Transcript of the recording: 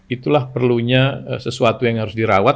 itulah perlunya sesuatu yang harus dirawat